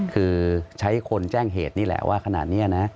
คือใช้คนแจ้งเหตุนี่แหละว่าขนาดนี้นะ